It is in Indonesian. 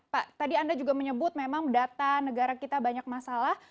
pak tadi anda juga menyebut memang data negara kita banyak masalah